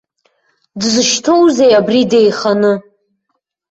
Дзышьҭоузеи абри деиханы?